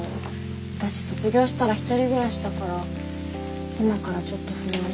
私卒業したら１人暮らしだから今からちょっと不安。